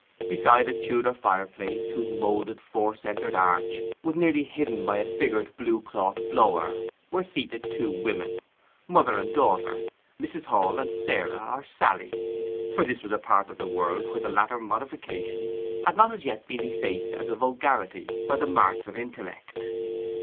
Beside a Tudor fireplace, whose moulded four centred arch was nearly hidden by a figured blue cloth blower, were seated two women—mother and daughter—Mrs. Hall, and Sarah, or Sally; for this was a part of the world where the latter modification had not as yet been effaced as a vulgarity by the march of intellect.